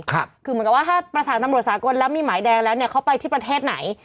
คือเหมือนกับว่าถ้าประสานตำรวจสากลแล้วมีหมายแดงแล้วเนี่ยเขาไปที่ประเทศไหน